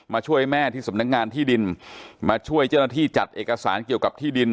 ช่วยแม่ที่สำนักงานที่ดินมาช่วยเจ้าหน้าที่จัดเอกสารเกี่ยวกับที่ดิน